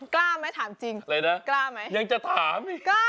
กล้าไหมถามจริงกล้าไหมยังจะถาม